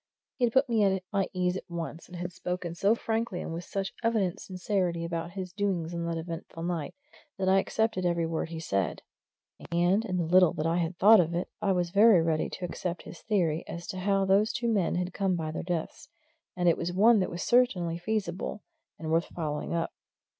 He had put me at my ease at once; he had spoken so frankly and with such evident sincerity about his doings on that eventful night, that I accepted every word he said. And in the little that I had thought of it I was very ready to accept his theory as to how those two men had come by their deaths and it was one that was certainly feasible, and worth following up.